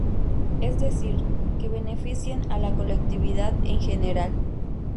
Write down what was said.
Es decir, que beneficien a la colectividad en general.